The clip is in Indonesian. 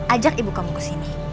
ajak ibu kamu kesini